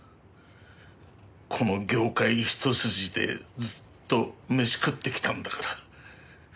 この業界ひと筋でずっと飯食ってきたんだから。